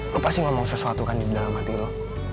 lu pasti ngomong sesuatu kan di dalam hati lu